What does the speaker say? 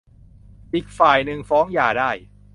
อีกฝ่ายหนึ่งฟ้องหย่าได้